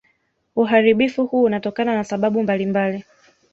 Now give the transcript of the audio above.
Uharibifu huu unatokana na sababu mbalimbali